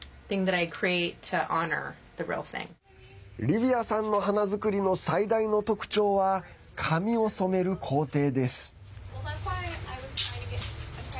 リヴィアさんの花作りの最大の特徴は紙を染める工程です。